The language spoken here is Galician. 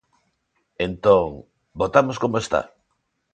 Entón, ¿votamos como está?